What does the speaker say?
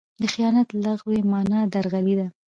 د خیانت لغوي مانا؛ درغلي ده.